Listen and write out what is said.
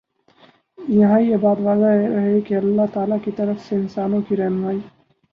یہاں یہ بات واضح رہے کہ اللہ تعالیٰ کی طرف سے انسانوں کی رہنمائی